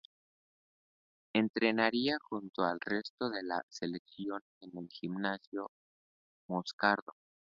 Entrenaría junto al resto de de la selección en el Gimnasio Moscardó.